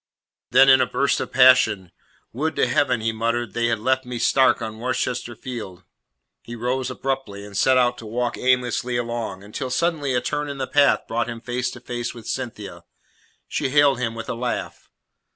Then in a burst of passion: "Would to Heaven," he muttered, "they had left me stark on Worcester Field!" He rose abruptly, and set out to walk aimlessly along, until suddenly a turn in the path brought him face to face with Cynthia. She hailed him with a laugh.